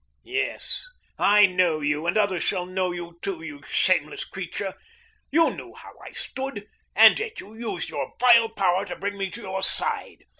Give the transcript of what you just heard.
"Yes, I know you, and others shall know you, too. You shameless creature! You knew how I stood. And yet you used your vile power to bring me to your side.